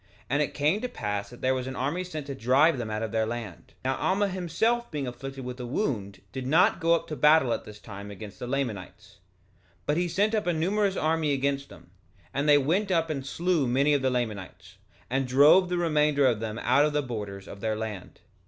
3:21 And it came to pass that there was an army sent to drive them out of their land. 3:22 Now Alma himself being afflicted with a wound did not go up to battle at this time against the Lamanites; 3:23 But he sent up a numerous army against them; and they went up and slew many of the Lamanites, and drove the remainder of them out of the borders of their land.